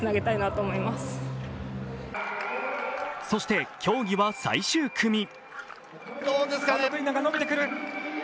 そして、競技は最終組。